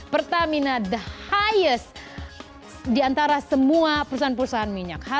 pertamina the highs di antara semua perusahaan perusahaan minyak